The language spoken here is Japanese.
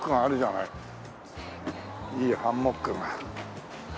いいハンモックが。